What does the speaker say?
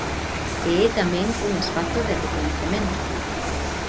E é tamén un espazo de recoñecemento.